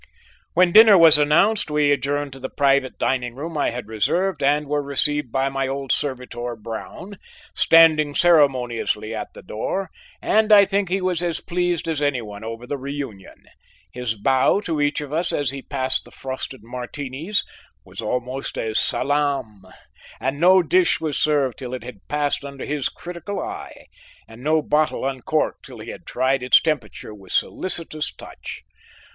When dinner was announced, we adjourned to the private dining room I had reserved and were received by my old servitor, Brown, standing ceremoniously at the door, and I think he was as pleased as any one over the reunion. His bow to each of us as he passed the frosted martinis was almost a salaam, and no dish was served till it had passed under his critical eye, and no bottle uncorked till he had tried its temperature with solicitous touch.